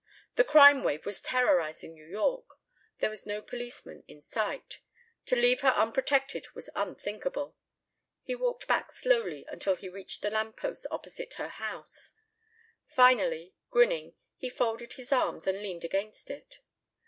The "crime wave" was terrorizing New York. There was no policeman in sight. To leave her unprotected was unthinkable. He walked back slowly until he reached the lamp post opposite her house; finally, grinning, he folded his arms and leaned against it.